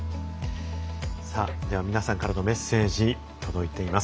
では皆さんからのメッセージ届いています。